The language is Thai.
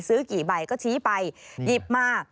ซื้อกี่ใบก็ชี้ไปหยิบมา